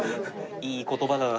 いい言葉だな。